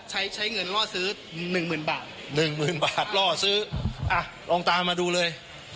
ใช้ใช้เงินล่อซื้อหนึ่งหมื่นบาทหนึ่งหมื่นบาทล่อซื้ออ่ะลองตามมาดูเลย